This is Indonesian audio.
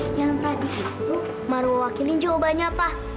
pak yang tadi itu maruah wakilin jawabannya apa